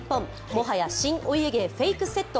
もはや新お家芸、フェイクセット。